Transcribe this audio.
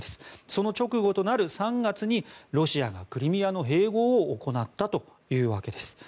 その直後となる３月にロシアがクリミアの併合を行ったというわけです。